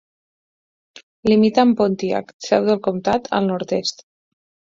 Limita amb Pontiac, seu del comtat, al nord-est.